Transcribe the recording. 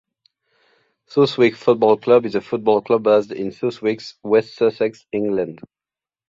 Southwick Football Club is a football club based in Southwick, West Sussex, England.